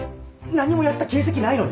何もやった形跡ないのに！？